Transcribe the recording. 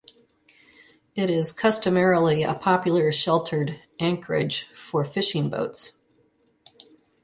It is customarily a popular sheltered anchorage for fishing boats.